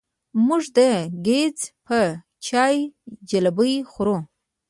موږ د ګیځ په چای جلبۍ خورو.